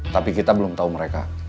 tapi kita belum tahu mereka